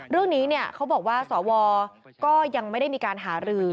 เรื่องนี้เขาบอกว่าสวก็ยังไม่ได้มีการหารือ